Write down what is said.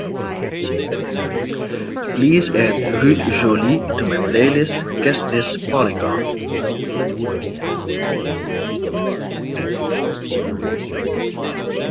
Please add Ruud Jolie to my playlist Guest List Polygon